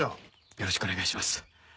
よろしくお願いします。